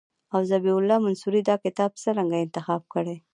او ذبیح الله منصوري دا کتاب څرنګه انتخاب کړی.